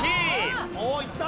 おお！いった！